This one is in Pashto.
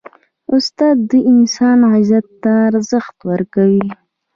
استاد د انسان عزت ته ارزښت ورکوي.